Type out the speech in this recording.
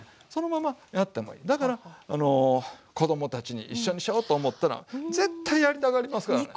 だから子どもたちに一緒にしようと思ったら絶対やりたがりますからね。